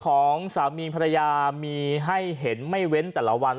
ของสามีภรรยามีให้เห็นไม่เว้นแต่ละวัน